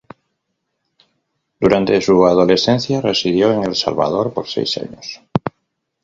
Durante su adolescencia residió en El Salvador por seis años.